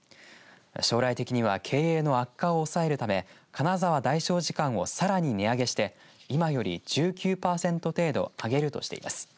将来的には経営の悪化を抑えるため金沢、大聖寺間をさらに値上げして今より１９パーセント程度上げるとしています。